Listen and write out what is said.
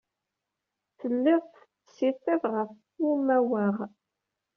Telliḍ tettsitiḍ ɣef umawaɣ.